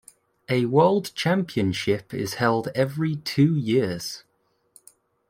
A World Championship is held every two years.